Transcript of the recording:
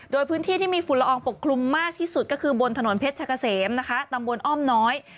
โดยพื้นที่ที่มีฝุ่นละอองปกคลุมมากที่สุดก็คือบนถนนเพชรกะเสมนะคะตำบลอ้อมน้อย